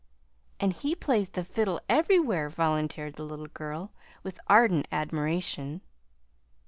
"And he plays the fiddle everywhere," volunteered the little girl, with ardent admiration.